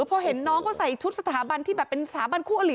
พอเห็นน้องเขาใส่ชุดสถาบันที่แบบเป็นสถาบันคู่อลิ